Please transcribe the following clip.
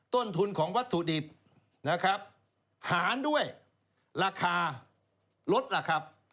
ต้นทุนของวัตถุดิบนะครับหารด้วยราคาลดล่ะครับ